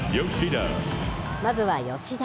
まずは吉田。